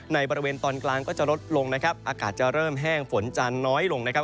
ในบริเวณตอนกลางก็จะลดลงนะครับอากาศจะเริ่มแห้งฝนจะน้อยลงนะครับ